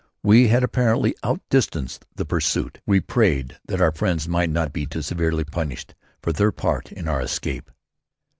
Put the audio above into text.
We had apparently outdistanced the pursuit. We prayed that our friends might not be too severely punished for their part in our escape.